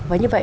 và như vậy